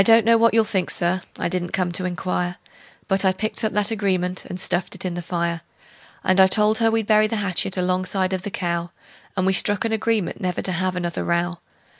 I don't know what you'll think, Sir I didn't come to inquire But I picked up that agreement and stuffed it in the fire; And I told her we'd bury the hatchet alongside of the cow; And we struck an agreement never to have another row.